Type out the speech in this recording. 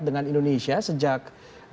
dengan indonesia sejak dua ribu enam belas